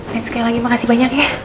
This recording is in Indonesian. dan sekali lagi makasih banyak ya